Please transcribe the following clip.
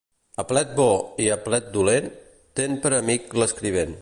A plet bo i a plet dolent, ten per amic l'escrivent.